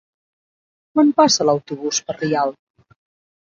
Quan passa l'autobús per Rialp?